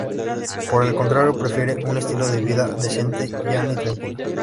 Por el contrario, prefiere un estilo de vida decente, llano y tranquilo.